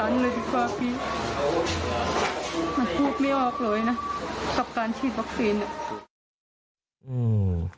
มันพูดไม่ออกเลยนะกับการชีดวัคซีน